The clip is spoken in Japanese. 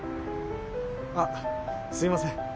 あっすいません。